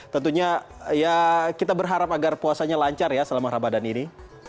tentunya ya kita berharap agar puasanya lancar ya selama ramadan ini